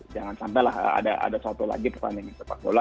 jangan sampai lah ada satu lagi pertandingan sepak bola